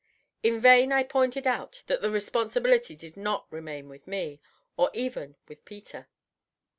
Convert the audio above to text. In vain I pointed out that the responsibility did not remain with me, or even with Peter.